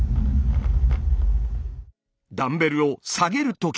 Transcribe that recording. ダンベルを下げるとき。